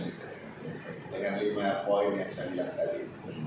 dengan lima poin yang saya bilang tadi